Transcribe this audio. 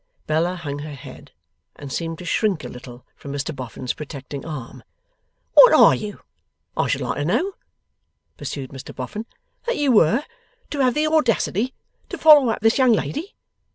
Bella hung her head and seemed to shrink a little from Mr Boffin's protecting arm. 'What are you, I should like to know,' pursued Mr Boffin, 'that you were to have the audacity to follow up this young lady?